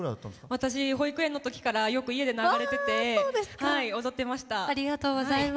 私、保育園のときからよく家で流れてて踊ってました。